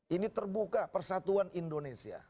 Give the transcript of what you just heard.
ini terbuka persatuan indonesia